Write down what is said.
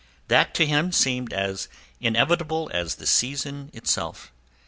That to him seemed as inevitable as the season itself.